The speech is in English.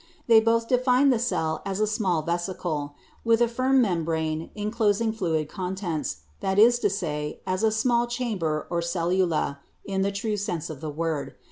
They both defined the cell as a small vesicle, with a firm mem brane enclosing fluid contents, that is to say as a small chamber, or 'cellula/ in the true sense of the word.